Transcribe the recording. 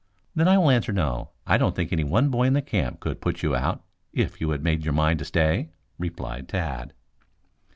"Then I will answer 'no.' I don't think any one boy in the camp could put you out if you had made up your mind to stay," replied Tad.